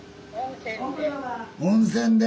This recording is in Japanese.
温泉で？